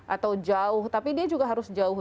atau jauh tapi dia juga harus jauh